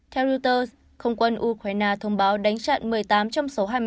theo reuters không quân ukraine thông báo đánh trận một mươi tám trong số